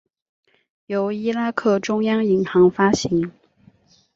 由伊拉克中央银行发行。